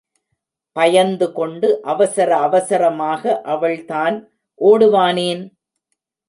பயந்துகொண்டு அவசர அவசரமாக அவள் தான் ஓடுவானேன்?